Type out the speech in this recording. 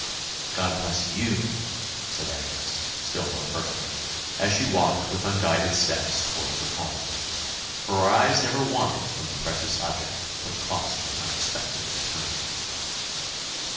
"God bless you!" said Agnes, still more fervently, as she walked with unguided steps towards her home; for her eyes never wandered from the precious object which caused her unexpected return.